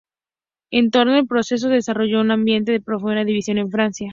En torno al proceso se desarrolló un ambiente de profunda división en Francia.